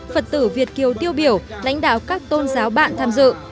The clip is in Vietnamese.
phật tử việt kiều tiêu biểu lãnh đạo các tôn giáo bạn tham dự